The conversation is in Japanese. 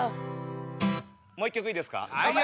もう一曲いいですか？